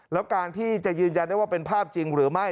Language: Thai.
แล้วการที่จะยืนยันได้ว่าเป็นภาพจริงหรือไม่